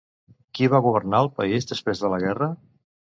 Qui va governar el país després de la guerra?